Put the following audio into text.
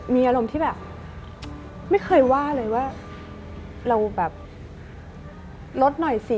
มีอารมณ์ที่แบบไม่เคยว่าเลยว่าเราแบบลดหน่อยสิ